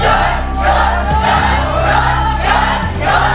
หยุดค่ะ